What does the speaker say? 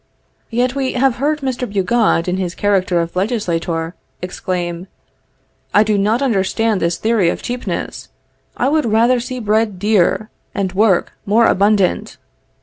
Yet we have heard Mr. Bugeaud in his character of legislator, exclaim, "I do not understand this theory of cheapness; I would rather see bread dear, and work more abundant."